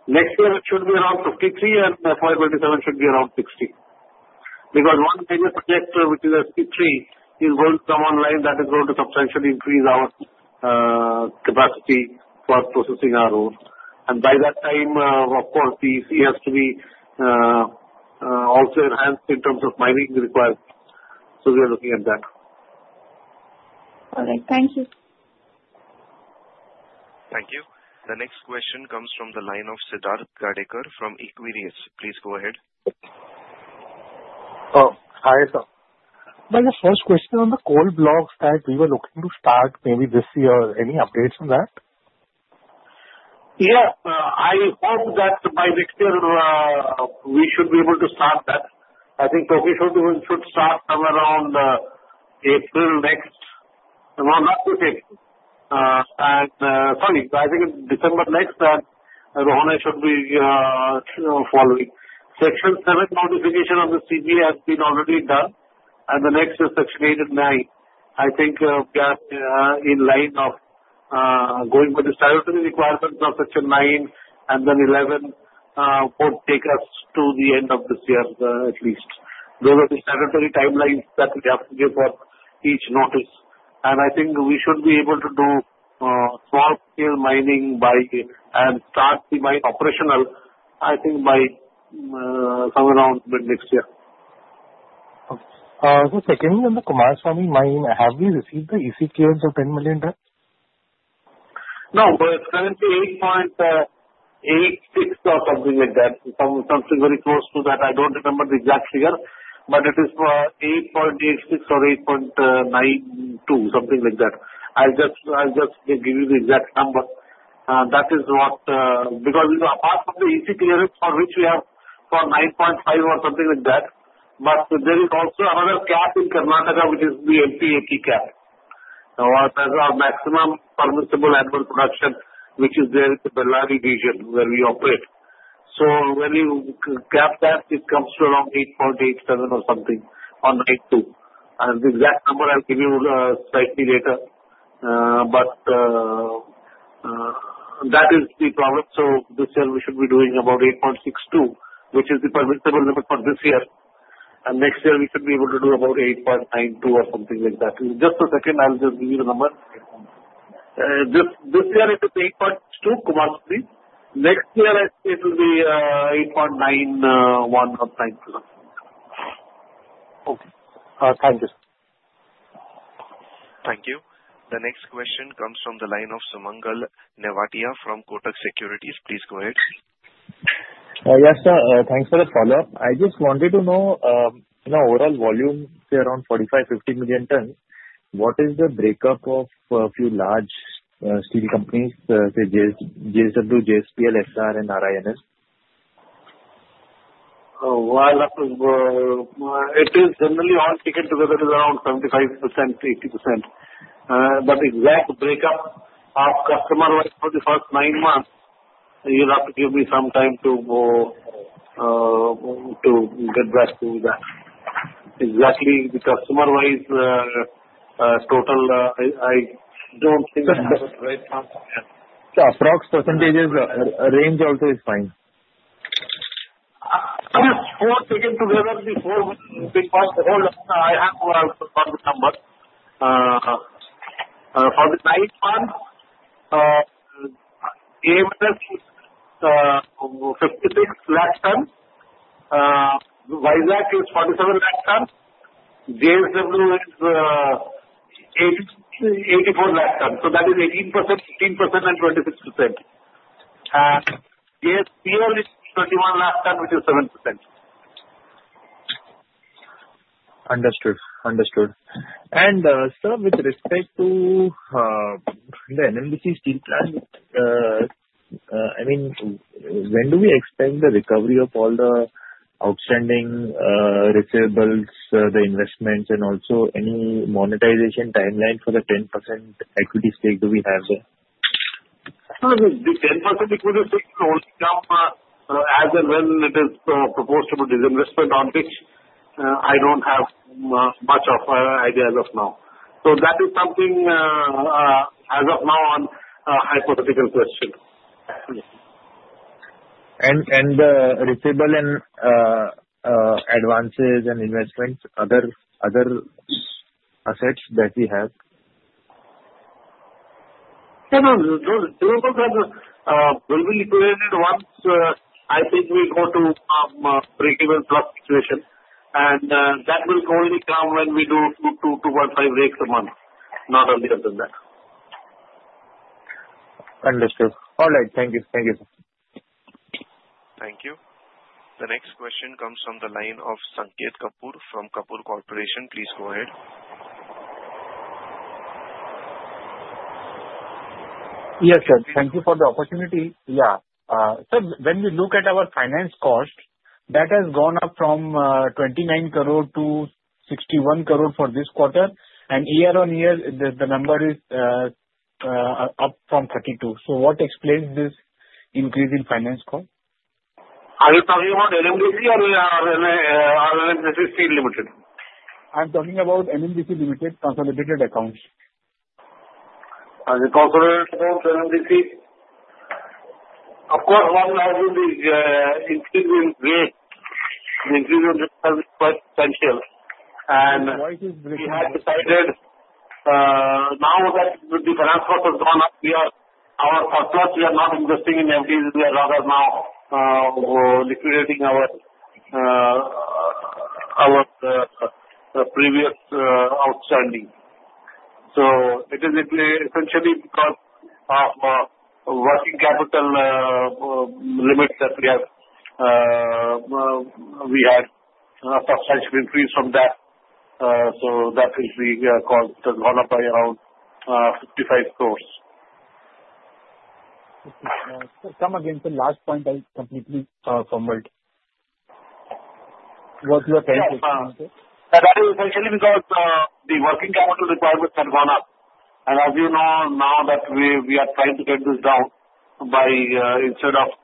Next year, it should be around 53, and FY27 should be around 60 because one major project, which is SP3, is going to come online, that is going to substantially increase our capacity for processing our own, and by that time, of course, the EC has to be also enhanced in terms of mining requirements, so we are looking at that. All right. Thank you. Thank you. The next question comes from the line of Siddharth Gadekar from Equirus. Please go ahead. Hi, sir. The first question on the coal blocks that we were looking to start maybe this year, any updates on that? Yeah. I hope that by next year we should be able to start that. I think Tokisud should start somewhere around April next. No, not this April. Sorry. I think it's December next that Rohne should be following. Section 7 modification on the CB has been already done, and the next is Section 8 and 9. I think we are in line of going with the statutory requirements of Section 9 and then 11 would take us to the end of this year at least. Those are the statutory timelines that we have to give for each notice. And I think we should be able to do small-scale mining and start the mine operational, I think, by somewhere around mid next year. The second one, the Kumaraswamy mine, have we received the EC clearance of 10 million tons? No. It's currently 8.86 or something like that, something very close to that. I don't remember the exact figure, but it is 8.86 or 8.92, something like that. I'll just give you the exact number. That is what because apart from the EC clearance for which we have for 9.5 or something like that, but there is also another cap in Karnataka, which is the MPAP cap, which is our maximum permissible annual production, which is there in the Bellary region where we operate. So when you cap that, it comes to around 8.87 or something on 92. The exact number I'll give you slightly later, but that is the problem. So this year we should be doing about 8.62, which is the permissible limit for this year. And next year we should be able to do about 8.92 or something like that. Just a second. I'll just give you the number. This year it is 8.62, Kumaraswamy. Next year it will be 8.91 or 92. Okay. Thank you. Thank you. The next question comes from the line of Sumangal Nevatia from Kotak Securities. Please go ahead. Yes, sir. Thanks for the follow-up. I just wanted to know overall volume around 45-50 million tons, what is the breakup of a few large steel companies, say JSW, JSPL, Essar, and RINL? It is generally all taken together around 75%-80%. But the exact breakup of customer-wise for the first nine months, you'll have to give me some time to get back to that. Exactly the customer-wise total, I don't think. Approximate percentage is a range also is fine. Four taken together, the four big ones, I have the number. For the ninth one, AM/NS is 56 lakh ton, Vizag is 47 lakh ton, JSW is 84 lakh ton. So that is 18%, 15%, and 26%. And JSPL is 21 lakh ton, which is 7%. Understood. Understood. And sir, with respect to the NMDC steel plant, I mean, when do we expect the recovery of all the outstanding receivables, the investments, and also any monetization timeline for the 10% equity stake do we have there? The 10% equity stake will only come as and when it is proposed to be disinvested on which I don't have much of idea as of now. So that is something as of now on a hypothetical question. And the receivables and advances and investments, other assets that you have? No, no. Those will be liquidated once I think we go to break-even plus situation, and that will only come when we do 2.5 rakes a month, not earlier than that. Understood. All right. Thank you. Thank you, sir. Thank you. The next question comes from the line of Sanket Kapoor from Kapoor Company. Please go ahead. Yes, sir. Thank you for the opportunity. Yeah. Sir, when we look at our finance cost, that has gone up from 29 crore to 61 crore for this quarter. And year on year, the number is up from 32. So what explains this increase in finance cost? Are you talking about NMDC or RINL SSC Limited? I'm talking about NMDC Limited, consolidated accounts. Consolidated accounts, NMDC? Of course, one has the increase in rate, the increase in rate is quite substantial. And we have decided now that the finance cost has gone up, our surplus, we are not investing in NMDC as of now, liquidating our previous outstanding. So it is essentially because of working capital limit that we had substantial increase from that. So that increase has gone up by around INR 55 crores. Sir, again, the last point I completely stumbled. What was your point? That is essentially because the working capital requirements have gone up, and as you know, now that we are trying to get this down by instead of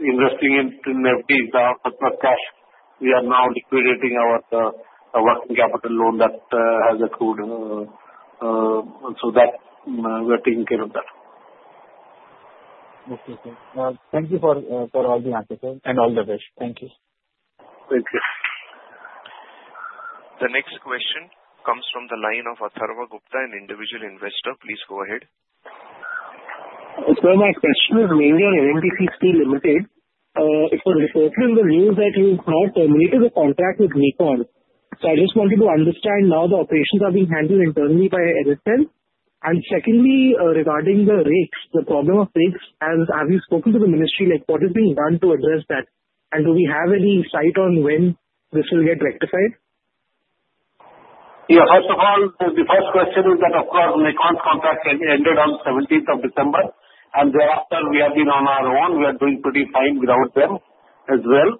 investing in NMDC, the surplus cash, we are now liquidating our working capital loan that has accrued, so we are taking care of that. Okay. Thank you for all the answers and all the wishes. Thank you. Thank you. The next question comes from the line of Atharva Gupta, an individual investor. Please go ahead. My question is, when you are NMDC Steel Limited, it was reported in the news that you have terminated the contract with MECON. So I just wanted to understand now the operations are being handled internally by NSL. And secondly, regarding the rakes, the problem of rakes, have you spoken to the ministry? What is being done to address that? And do we have any sight on when this will get rectified? Yeah. First of all, the first question is that, of course, MECON's contract ended on 17th of December. And thereafter, we have been on our own. We are doing pretty fine without them as well.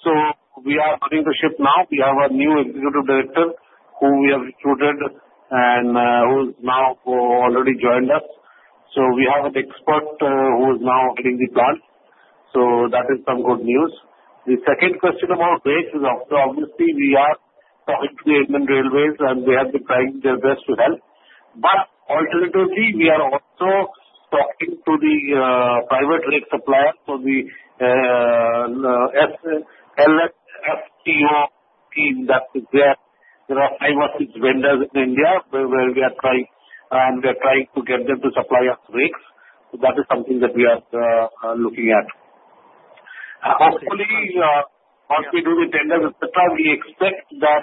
So we are running the ship now. We have a new executive director who we have recruited and who has now already joined us. So we have an expert who is now heading the plant. So that is some good news. The second question about rakes is, obviously, we are talking to the Indian Railways, and they have been trying their best to help. But alternatively, we are also talking to the private rake supplier, so the LSFTO team that is there. There are five or six vendors in India where we are trying, and we are trying to get them to supply us rakes. So that is something that we are looking at. Hopefully, once we do the tenders, etc., we expect that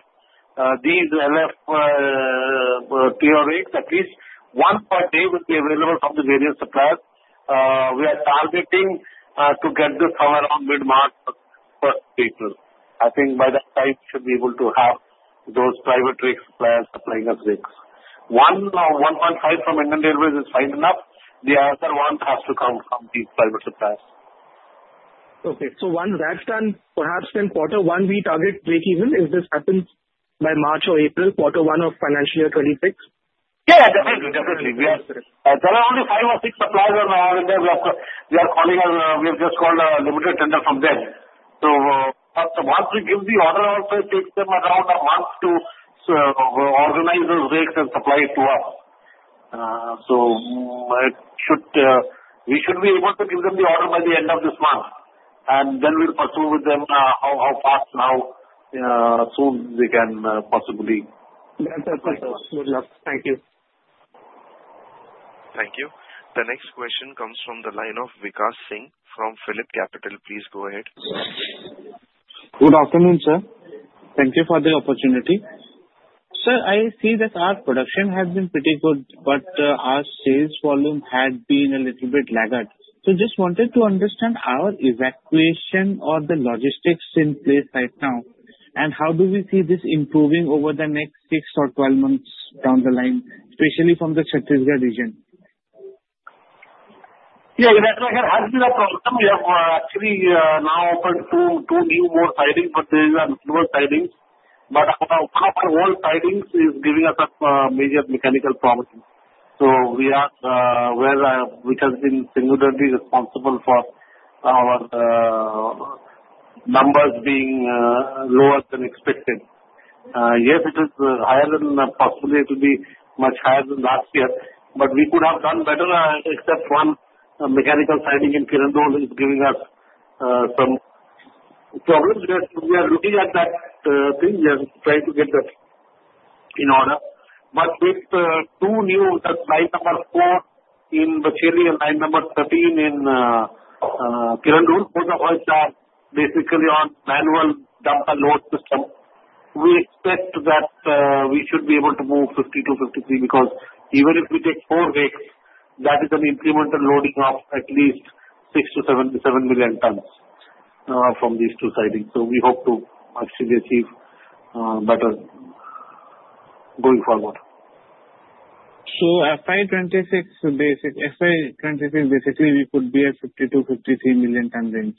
these LSFTO rakes, at least one per day, will be available from the various suppliers. We are targeting to get this somewhere around mid-March, 1st of April. I think by that time, we should be able to have those private rake suppliers supplying us rakes. One 1.5 from Indian Railways is fine enough. The other one has to come from these private suppliers. Okay. So once that's done, perhaps then quarter one we target break-even. If this happens by March or April, quarter one of financial year 2026? Yeah, definitely. Definitely. There are only five or six suppliers on the island that we are calling us. We have just called a limited tender from them. So once we give the order, it takes them around a month to organize those rakes and supply it to us. So we should be able to give them the order by the end of this month. And then we'll pursue with them how fast, how soon they can possibly. That's perfect. Good luck. Thank you. Thank you. The next question comes from the line of Vikas Singh from PhillipCapital. Please go ahead. Good afternoon, sir. Thank you for the opportunity. Sir, I see that our production has been pretty good, but our sales volume had been a little bit laggard. So just wanted to understand our evacuation or the logistics in place right now, and how do we see this improving over the next six or 12 months down the line, especially from the Chhattisgarh region? Yeah. That has been a problem. We have actually now opened two new more sidings, but these are newer sidings. But one of our old sidings is giving us a major mechanical problem. So we are where we have been singularly responsible for our numbers being lower than expected. Yes, it is higher than possibly it will be much higher than last year. But we could have done better, except one mechanical siding in Kirandul is giving us some problems. We are looking at that thing. We are trying to get that in order. But with two new, that's line number four in Bacheli and line number 13 in Kirandul, both of which are basically on manual dumper load system, we expect that we should be able to move 52, 53 because even if we take four rakes, that is an incremental loading of at least six to seven million tons from these two sidings. So we hope to actually achieve better going forward. FY26, basically, we could be at 52-53 million ton range.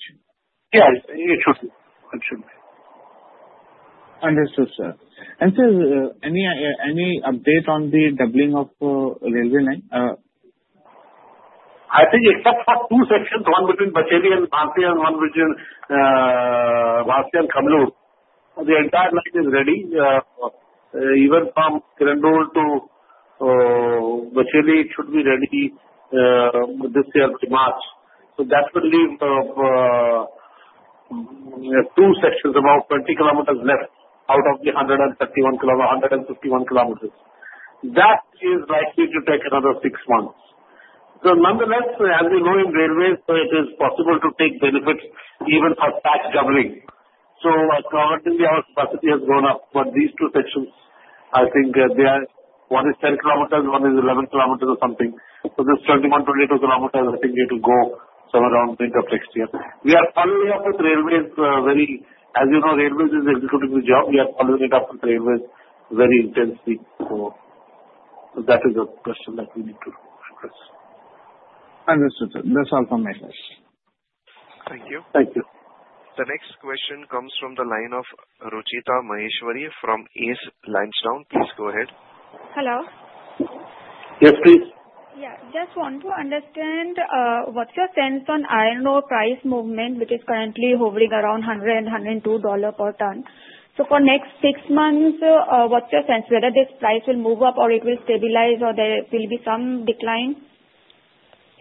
Yeah. It should be. It should be. Understood, sir. And sir, any update on the doubling of railway line? I think except for two sections, one between Bacheli and Bhansi and one between Bhansi and Kamalur, the entire line is ready. Even from Kirandul to Bacheli, it should be ready this year, March. So that will leave two sections about 20 km left out of the 151 km. That is likely to take another six months. So nonetheless, as we know in railways, it is possible to take benefits even for track doubling. So currently, our capacity has grown up. But these two sections, I think they are one is 10 km, one is 11 km or something. So this 21-22 km, I think, need to go somewhere around the end of next year. We are following up with railways very, as you know, railways is executing the job. We are following it up with railways very intensely. So that is a question that we need to address. Understood. That's all from my side. Thank you. Thank you. The next question comes from the line of Ruchita Maheshwari from Ace Lansdowne. Please go ahead. Hello. Yes, please. Yeah. Just want to understand what's your sense on iron ore price movement, which is currently hovering around $100-$102 per ton. So for next six months, what's your sense? Whether this price will move up or it will stabilize or there will be some decline?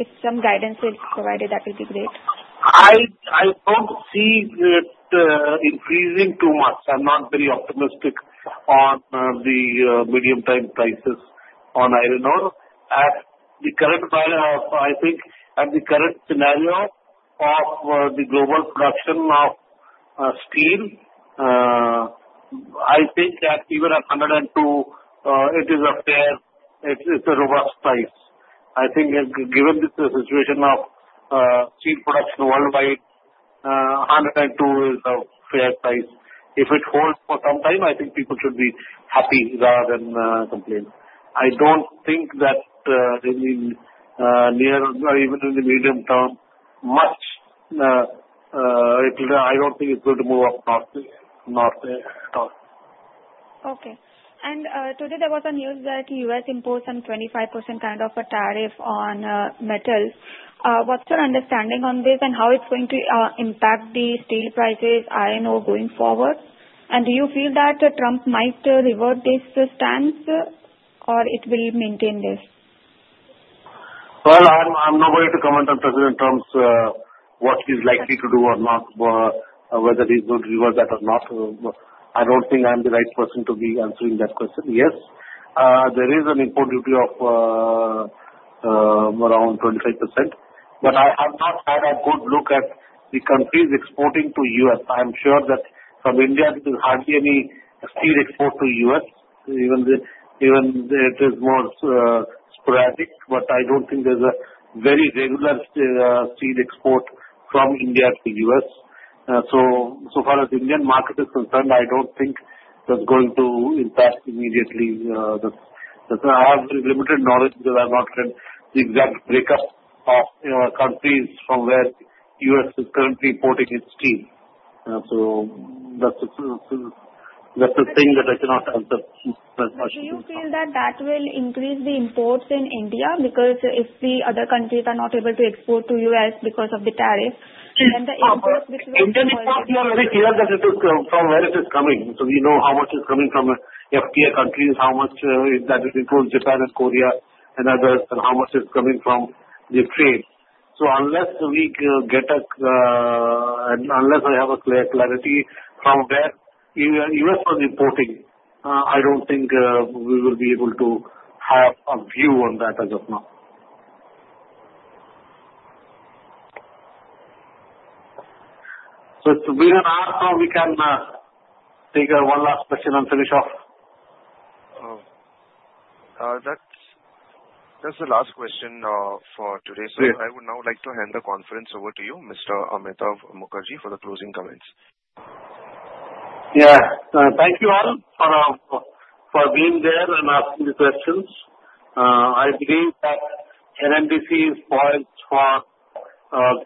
If some guidance is provided, that would be great. I hope to see it increasing two months. I'm not very optimistic on the medium-term prices on iron ore. At the current, I think, at the current scenario of the global production of steel, I think that even at 102, it is a fair, it's a robust price. I think given the situation of steel production worldwide, 102 is a fair price. If it holds for some time, I think people should be happy rather than complain. I don't think that in the near or even in the medium term, much I don't think it's going to move up at all. Okay. And today, there was a news that the U.S. imposed some 25% kind of a tariff on metal. What's your understanding on this and how it's going to impact the steel prices, iron ore, going forward? And do you feel that Trump might revert this stance or it will maintain this? I'm not going to comment on President Trump's what he's likely to do or not, whether he's going to revert that or not. I don't think I'm the right person to be answering that question. Yes, there is an import duty of around 25%. But I have not had a good look at the countries exporting to the U.S. I'm sure that from India, there is hardly any steel export to the U.S. Even it is more sporadic, but I don't think there's a very regular steel export from India to the U.S. So far as the Indian market is concerned, I don't think that's going to impact immediately. I have limited knowledge because I've not read the exact breakup of countries from where the U.S. is currently importing its steel. So that's the thing that I cannot answer that much. Do you feel that that will increase the imports in India? Because if the other countries are not able to export to the US because of the tariff, then the imports which will. India is not very clear that it is from where it is coming. So we know how much is coming from FTA countries, how much that includes Japan and Korea and others, and how much is coming from the trade. So unless I have a clear clarity from where the US was importing, I don't think we will be able to have a view on that as of now. So within an hour, we can take one last question and finish off. That's the last question for today. So I would now like to hand the conference over to you, Mr. Amitava Mukherjee, for the closing comments. Yeah. Thank you all for being there and asking the questions. I believe that NMDC is poised for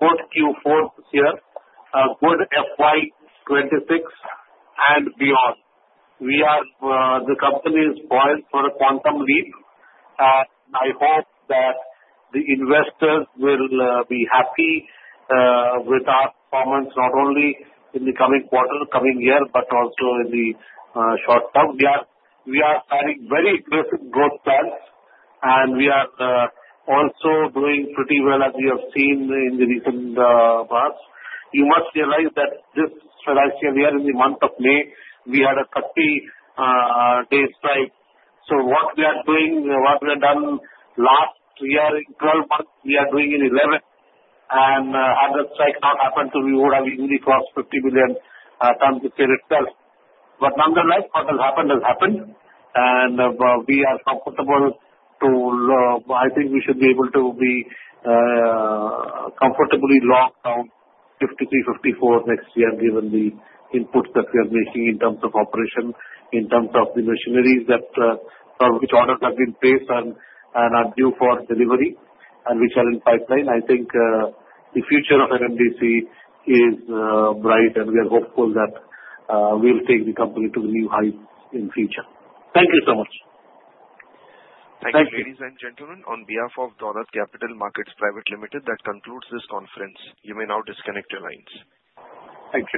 good Q4 this year, good FY26, and beyond. The company is poised for a quantum leap, and I hope that the investors will be happy with our performance not only in the coming quarter, coming year, but also in the short term. We are planning very aggressive growth plans, and we are also doing pretty well as we have seen in the recent past. You must realize that this last year, we are in the month of May, we had a 30-day strike. So what we are doing, what we have done last year in 12 months, we are doing in 11, and had that strike not happened, we would have easily crossed 50 million tons of steel itself. But nonetheless, what has happened has happened. And we are comfortable to I think we should be able to be comfortably locked down 53, 54 next year, given the inputs that we are making in terms of operation, in terms of the machineries that which orders have been placed and are due for delivery and which are in pipeline. I think the future of NMDC is bright, and we are hopeful that we'll take the company to the new heights in the future. Thank you so much. Thank you, ladies and gentlemen. On behalf of Dolat Capital Market Private Limited, that concludes this conference. You may now disconnect your lines. Thank you.